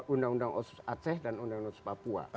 undang undang otsus aceh dan undang otsus papua